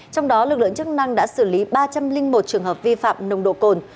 trong đó lực lượng chức năng đã xử lý ba trăm linh một trường hợp vi phạm nồng độ cồn